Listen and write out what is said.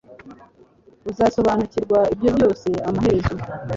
Uzasobanukirwa ibyo byose amaherezo